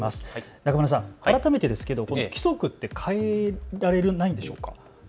中村さん、改めて規則って変えられないんでしょうか。